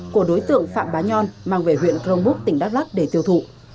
của đối tượng phạm bá nhon mang về huyện cronbúc tỉnh đắk lắk để tiêu thụ